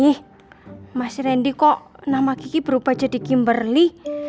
ih mas rendy kok nama gigi berubah jadi kimberly